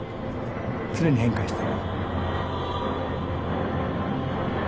常に変化してる。